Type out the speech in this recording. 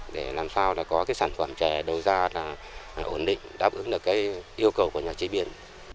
để làm sao có sản phẩm trẻ đầu ra ổn định đáp ứng được yêu cầu của nhà chế biến